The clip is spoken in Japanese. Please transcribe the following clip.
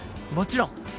もちろん